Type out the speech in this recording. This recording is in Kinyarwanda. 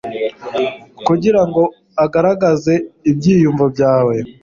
kugirango agaragaze ibyiyumvo byawe